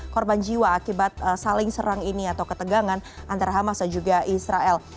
korban jiwa akibat saling serang ini atau ketegangan antara hamas dan juga israel